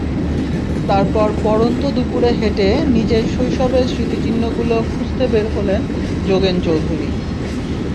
তারপর পড়ন্ত দুপুরে হেঁটে নিজের শৈশবের স্মৃতিচিহ্নগুলো খুঁজতে বের হলেন যোগেন চৌধুরী।